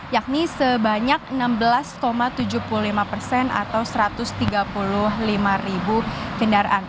yakni sebanyak enam belas tujuh puluh lima persen atau satu ratus tiga puluh lima ribu kendaraan